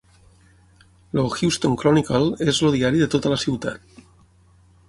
El "Houston Chronicle" és el diari de tota la ciutat.